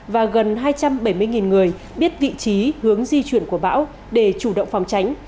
và gần hai trăm bảy mươi người biết vị trí hướng di chuyển của bão để chủ động phòng tránh